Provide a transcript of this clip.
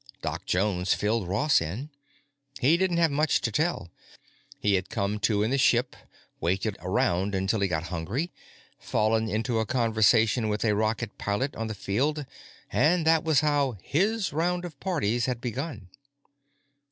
Doc Jones filled Ross in. He didn't have much to tell. He had come to in the ship, waited around until he got hungry, fallen into a conversation with a rocket pilot on the field—and that was how his round of parties had begun.